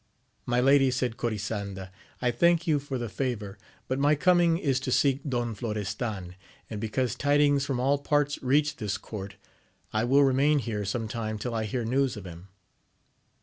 My lady, said Corisanda, I thank you for the favour ; but my coming is to seek Don Florestan, and because tidings from all parts reach this court ; I will remain here some time till I hear news of him.